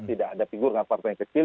tidak ada figur dengan partai yang kecil